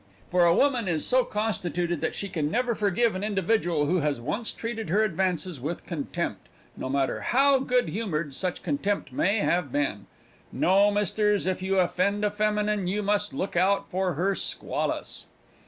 For a woman is so constituted that she can never forgive an individual who has once treated her advances with contempt, no matter how good humoured such contempt may have been. No, misters, if you offend a feminine you must look out for her squalls.